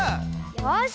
よし！